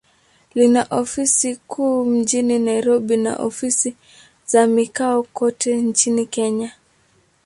Lina ofisi kuu mjini Nairobi, na ofisi za mikoa kote nchini Kenya.